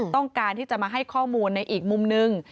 ต้องการที่จะมาให้ข้อมูลในอีกมุมนึง